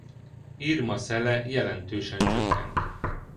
Irma szele jelentőset csökkent.